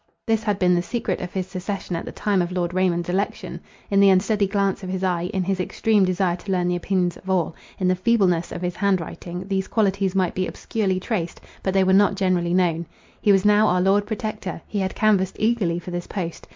This had been the secret of his secession at the time of Lord Raymond's election. In the unsteady glance of his eye, in his extreme desire to learn the opinions of all, in the feebleness of his hand writing, these qualities might be obscurely traced, but they were not generally known. He was now our Lord Protector. He had canvassed eagerly for this post.